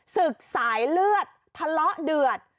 ศึกสายเลือดทะเลาะเดือด